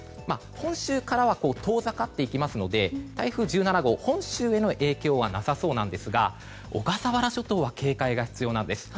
本州からは遠ざかっていきますので台風１７号は本州への影響はなさそうなんですが小笠原諸島は警戒が必要なんです。